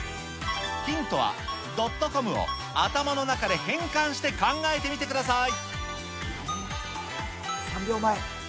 ヒントは、ドットコムを頭の中で変換して考えてみてください。